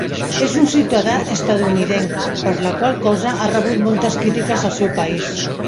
És ciutadà estatunidenc, per la qual cosa ha rebut moltes crítiques al seu país.